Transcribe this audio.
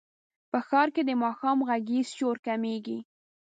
په ښار کې د ماښام غږیز شور کمېږي.